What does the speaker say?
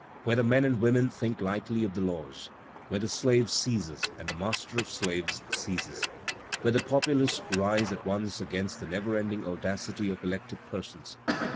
Where the men and women think lightly of the laws,' Where the slave ceases, and the master of slaves ceases. Where the populace rise at once against the never ending audacity of elected persons.